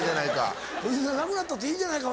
「なくなったっていいじゃないか」。